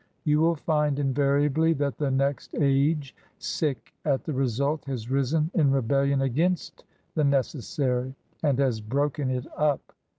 You will find invariably that the next age, sick at the result, has risen in rebellion against the ^ necessary I and has broken it up.